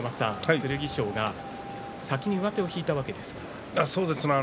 剣翔が先に上手を引いたわけですが。